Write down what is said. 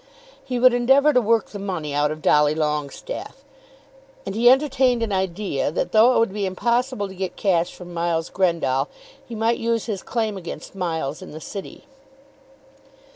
He would endeavour to work the money out of Dolly Longestaffe; and he entertained an idea that though it would be impossible to get cash from Miles Grendall, he might use his claim against Miles in the city.